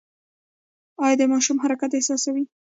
ایا د ماشوم حرکت احساسوئ؟